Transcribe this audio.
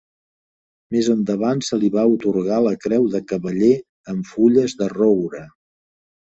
Més endavant se li va atorgar la Creu de Cavaller amb Fulles de Roure.